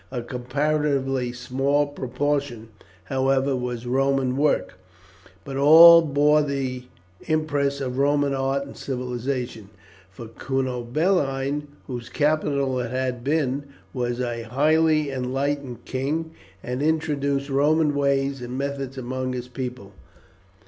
A comparatively small proportion, however, was Roman work, but all bore the impress of Roman art and civilization, for Cunobeline, whose capital it had been, was a highly enlightened king, and had introduced Roman ways and methods among his people.